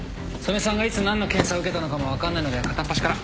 曽根さんがいつ何の検査を受けたのかも分かんないので片っ端から。